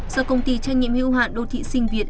do công ty trách nhiệm hưu hạn đô thị sinh việt